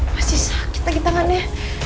masih sakit lagi tangannya